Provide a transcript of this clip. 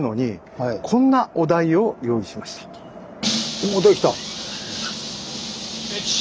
お出てきた。